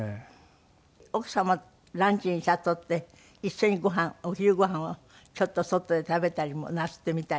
奥様ランチに誘って一緒にごはんお昼ごはんをちょっと外で食べたりもなすってみたりしたの？